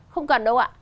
không cần đâu ạ